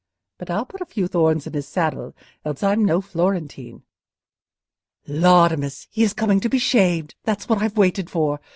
But I'll put a few thorns in his saddle, else I'm no Florentine. Laudamus! he is coming to be shaved; that's what I've waited for.